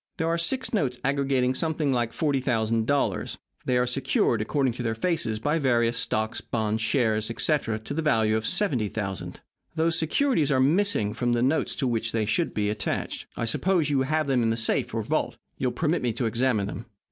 Here are six notes aggregating something like $40,000. They are secured, according to their faces, by various stocks, bonds, shares, etc. to the value of $70,000. Those securities are missing from the notes to which they should be attached. I suppose you have them in the safe or vault. You will permit me to examine them."